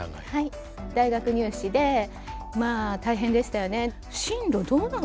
大学入試でまあ大変でしたよね。